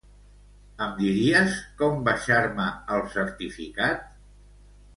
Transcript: Em diries com baixar-me el certificat?